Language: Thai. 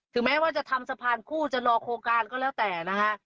แม้ว่าจะทำสะพานคู่จะรอโครงการก็แล้วแต่นะฮะ